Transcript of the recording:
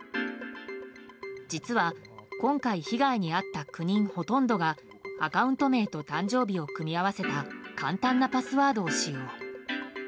実は今回、被害に遭った９人ほとんどがアカウント名と誕生日を組み合わせた簡単なパスワードを使用。